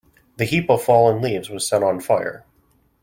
The heap of fallen leaves was set on fire.